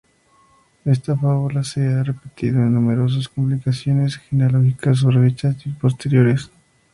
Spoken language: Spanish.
Esta fábula se ha repetido en numerosas compilaciones genealógicas de fechas posteriores.